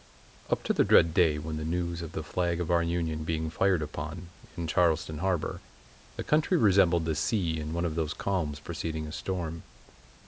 Up to the dread day when the news of the flag of our Union being fired upon, in Charleston harbor, the country resembled the sea in one of those calms preceding a storm.